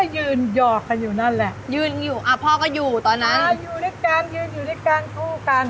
อยู่ด้วยกันอยู่ด้วยกันคู่กัน